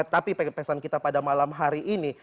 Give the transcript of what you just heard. tapi pesan kita pada malam hari ini